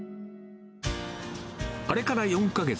あれから４か月。